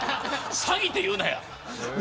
詐欺って言うなや。